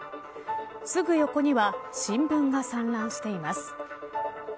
すぐ横には新聞が散乱しています。